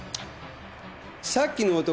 さっきの男